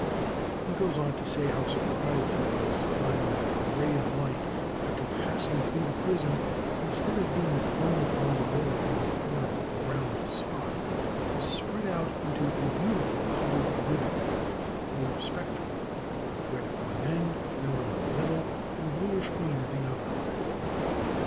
ioo PHYSICS He goes on to say how surprised he was to find that the ray of light, after passing through the prism, instead of being thrown upon the wall in the form of a round spot, was spread out into a beautiful colored ribbon, or spec trum, red at one end, yellow in the middle, and bluish green at the other end.